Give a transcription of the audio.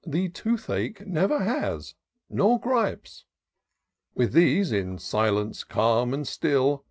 The tooth ache never has — nor gripes. With these, in silence calm and still.